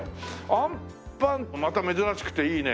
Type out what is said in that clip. あんぱんまた珍しくていいね。